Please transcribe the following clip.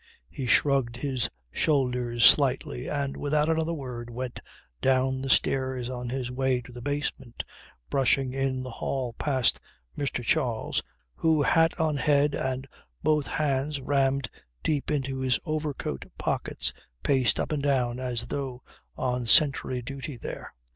He shrugged his shoulders slightly and without another word went down the stairs on his way to the basement, brushing in the hall past Mr. Charles who hat on head and both hands rammed deep into his overcoat pockets paced up and down as though on sentry duty there.